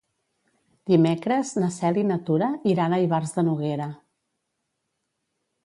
Dimecres na Cel i na Tura iran a Ivars de Noguera.